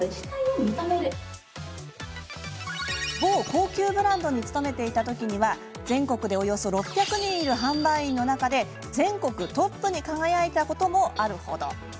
某高級ブランドに勤めていた時は全国でおよそ６００人いる販売員の中で、全国トップに輝いたこともある程。